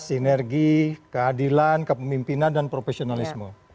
sinergi keadilan kepemimpinan dan profesionalisme